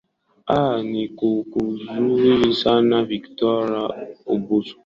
aa nikushukuru sana victor abuso